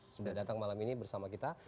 sudah datang malam ini bersama kita